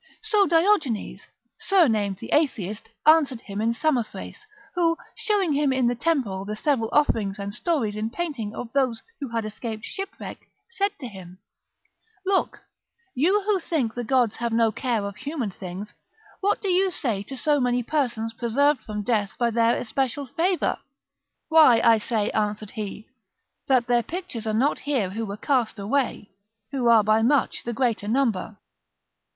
So Diogenes, surnamed the Atheist, answered him in Samothrace, who, showing him in the temple the several offerings and stories in painting of those who had escaped shipwreck, said to him, "Look, you who think the gods have no care of human things, what do you say to so many persons preserved from death by their especial favour?" "Why, I say," answered he, "that their pictures are not here who were cast away, who are by much the greater number."